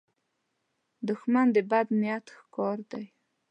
دښمن د بد نیت ښکار دی